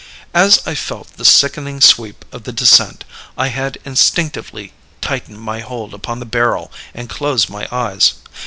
"As I felt the sickening sweep of the descent, I had instinctively tightened my hold upon the barrel and closed my eyes.